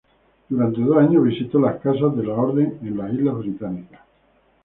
Durante dos años visitó las casas de la Orden en las islas británicas.